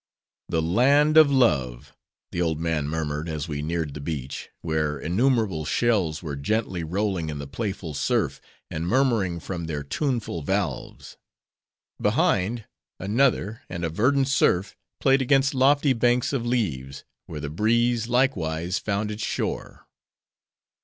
"The land of Love!" the old man murmured, as we neared the beach, where innumerable shells were gently rolling in the playful surf, and murmuring from their tuneful valves. Behind, another, and a verdant surf played against lofty banks of leaves; where the breeze, likewise, found its shore.